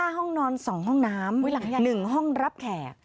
ห้องนอน๒ห้องน้ำ๑ห้องรับแขก